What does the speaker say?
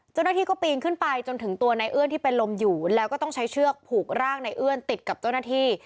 เจ้าหน้าที่ก็ปีนขึ้นไปจนถึงตัวในเอื้อนที่เป็นลมอยู่แล้วก็ต้องใช้เชือกผูกร่างในเอื้อนติดกับเจ้าหน้าที่